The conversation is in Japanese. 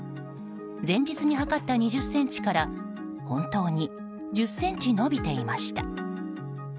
前日に測った２０ｃｍから本当に１０ｃｍ伸びていました。